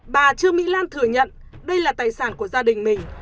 bà trương mỹ lan thừa nhận đây là tài sản của gia đình mình